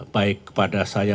baik kepada saya